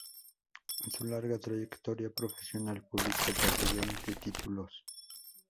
En su larga trayectoria profesional publicó casi veinte títulos.